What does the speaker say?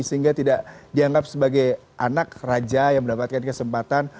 sehingga tidak dianggap sebagai anak raja yang mendapatkan kesempatan